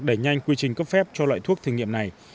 đẩy nhanh quy trình cấp phép cho loại thuốc thử nghiệm này